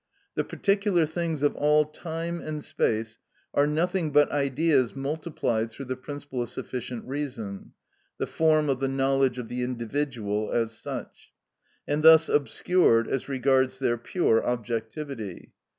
The particular things of all time and space are nothing but Ideas multiplied through the principle of sufficient reason (the form of the knowledge of the individual as such), and thus obscured as regards their pure objectivity.